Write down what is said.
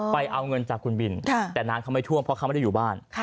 ไปเอาเงินจากคุณบินแต่น้ำเขาไม่ท่วมเพราะเขาไม่ได้อยู่บ้าน